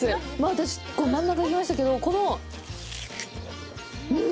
私、真ん中行きましたけどこの、うん。